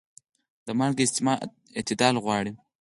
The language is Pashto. د مالګې استعمال اعتدال غواړي.